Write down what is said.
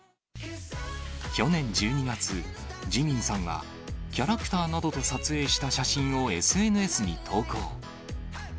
去年１２月、ＪＩＭＩＮさんは、キャラクターなどと撮影した写真をＳＮＳに投稿。